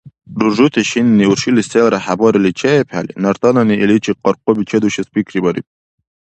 Руржути шинни уршилис селра хӀебарили чеибхӀели, нартанани иличи къаркъуби чедушес пикрибариб.